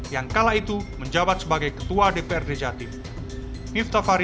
yang kala itu menjabat sebagai ketua dprd jatim